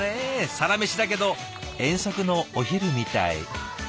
サラメシだけど遠足のお昼みたい！